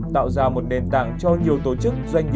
tạo ra một nền tảng cho nhiều tổ chức